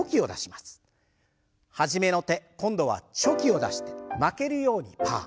初めの手今度はチョキを出して負けるようにパー。